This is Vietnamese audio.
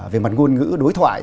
về mặt ngôn ngữ đối thoại